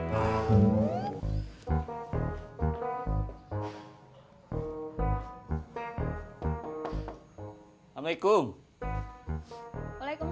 jalan jalan jalan